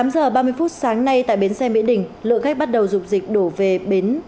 tám giờ ba mươi phút sáng nay tại bến xe mỹ đình lượng khách bắt đầu dục dịch đổ về bến